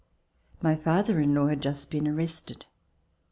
My father in law had just been ar rested.